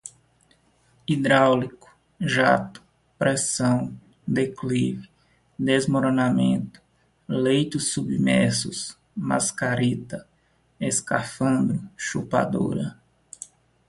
hidráulico, jato, pressão, declive, desmoronamento, leitos submersos, mascarita, escafandro, chupadora